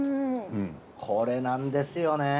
これなんですよね。